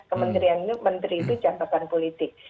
kementerian itu menteri itu catatan politik